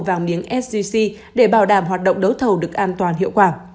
vàng miếng sgc để bảo đảm hoạt động đấu thầu được an toàn hiệu quả